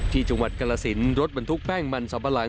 ที่จังหวัดกรสินรถบรรทุกแป้งมันสัมปะหลัง